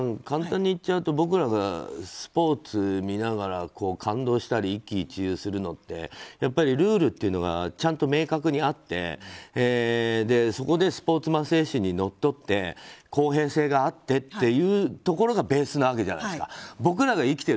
簡単に言っちゃうと、僕らがスポーツを見ながら感動したり一喜一憂するのってやっぱりルールというのがちゃんと明確にあってそこでスポーツマン精神にのっとって公平性があってというところがベースなわけじゃないですか。